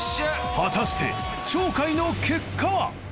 果たして鳥海の結果は？